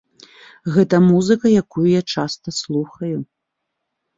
Гэта музыка, якую я часта слухаю.